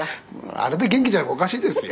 「あれで元気じゃなきゃおかしいですよ。